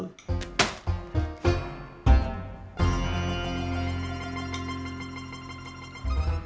kalau udah ngambil nusuh